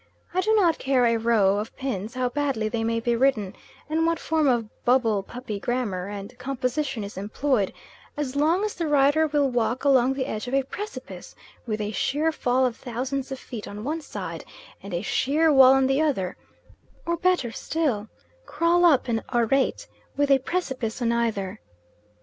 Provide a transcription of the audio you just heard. I do not care a row of pins how badly they may be written, and what form of bumble puppy grammar and composition is employed, as long as the writer will walk along the edge of a precipice with a sheer fall of thousands of feet on one side and a sheer wall on the other; or better still crawl up an arete with a precipice on either.